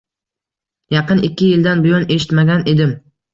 Yaqin ikki yildan buyon eshitmagan edim.